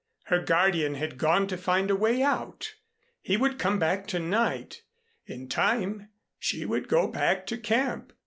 Her guardian had gone to find a way out. He would come back to night. In time she would go back to camp.